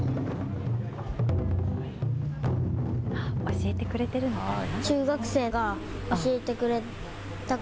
教えてくれてるのかな？